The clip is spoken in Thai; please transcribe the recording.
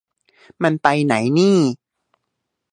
มันไปไหนนี่